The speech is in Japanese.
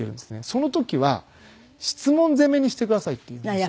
その時は質問攻めにしてくださいって言うんですよ。